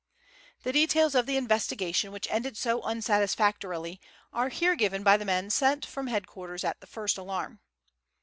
The details of the investigation which ended so unsatisfactorily are here given by the man sent from headquarters at the first alarm.